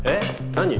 何？